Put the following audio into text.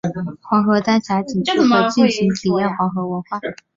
黄河丹霞景区可尽情体验黄河文化。